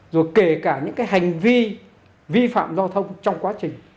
rồi kể cả những cái hành vi vi phạm giao thông trong quá trình